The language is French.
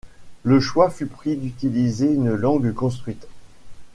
Le choix fut pris d'utiliser une langue construite.